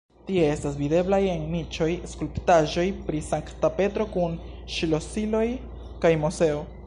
Tie estas videblaj en niĉoj skulptaĵoj pri Sankta Petro kun ŝlosiloj kaj Moseo.